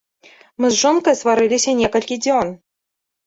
Мы з жонкаю сварыліся некалькі дзён.